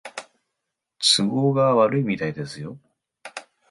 都合が悪いみたいですよ